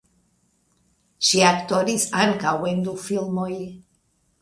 Ŝi aktoris ankaŭ en du filmoj.